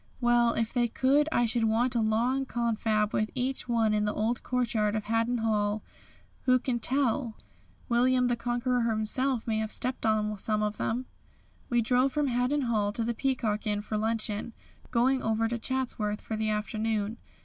Well, if they could I should want a long confab with each one in the old courtyard of Haddon Hall. Who can tell, William the Conqueror himself may have stepped on some of them." We drove from Haddon Hall to the Peacock Inn for luncheon, going over to Chatsworth for the afternoon.